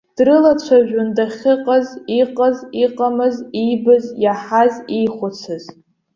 Дрылацәажәон дахьыҟаз иҟаз, иҟамыз, иибаз, иаҳаз, иихәыцыз.